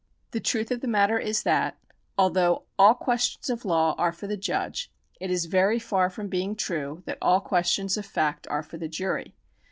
The truth of the matter is that, although all questions of law are for the judge, it is very far from being true that all questions of fact are for the jury.